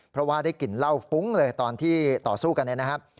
เพราะว่าได้กลิ่นเหล้าฟุ้งเลยตอนที่ต่อสู้กันเนี่ยนะครับ